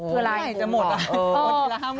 ไม่จะหมดอ่ะ